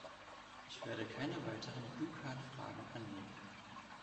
Ich werde keine weiteren "Blue-Card"Fragen annehmen.